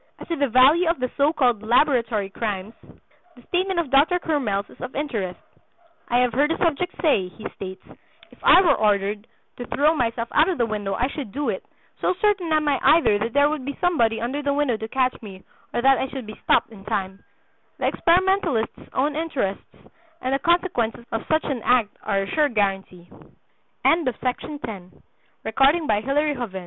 As to the value of the so called "laboratory crimes," the statement of Dr. Courmelles is of interest: "I have heard a subject say," he states, "'If I were ordered to throw myself out of the window I should do it, so certain am I either that there would be somebody under the window to catch me or that I should be stopped in time. The experimentalist's own interests and the consequences of such an act are a sure guarantee.'" CHAPTER VIII. Dangers in Being Hypnotized.